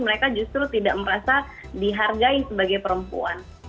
mereka justru tidak merasa dihargai sebagai perempuan